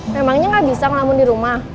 memangnya gak bisa ngelamun di rumah